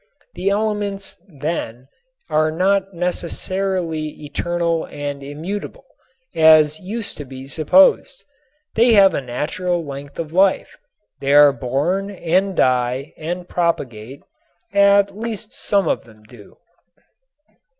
The elements then ate not necessarily eternal and immutable, as used to be supposed. They have a natural length of life; they are born and die and propagate, at least some of them do.